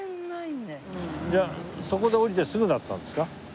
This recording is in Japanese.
じゃあそこで降りてすぐだったんですか？